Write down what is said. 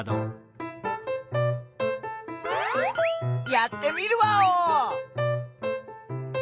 やってみるワオ！